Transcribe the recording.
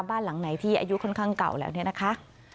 บ้านหลังไหนที่อายุค่อนข้างเก่าแล้วเนี่ยนะคะ